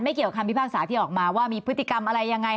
เกี่ยวกับคำพิพากษาที่ออกมาว่ามีพฤติกรรมอะไรยังไง